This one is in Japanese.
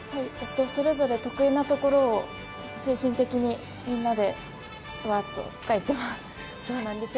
それぞれ得意な所を中心的にみんなでワッと描いています。